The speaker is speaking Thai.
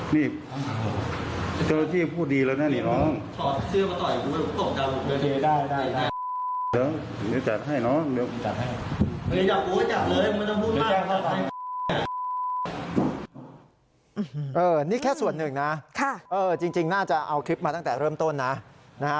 นี่แค่ส่วนหนึ่งนะจริงน่าจะเอาคลิปมาตั้งแต่เริ่มต้นนะนะฮะ